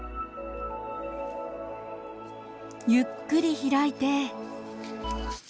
ゆっくり開いて。